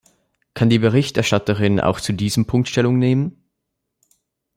Kann die Berichterstatterin auch zu diesem Punkt Stellung nehmen?